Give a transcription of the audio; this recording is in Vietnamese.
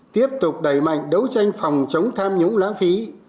tiếp tục đẩy mạnh đấu tranh phòng chống tham nhũng lãng phí